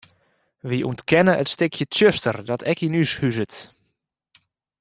Wy ûntkenne it stikje tsjuster dat ek yn ús huzet.